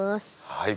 はい！